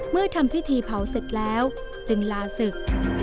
ทำพิธีเผาเสร็จแล้วจึงลาศึก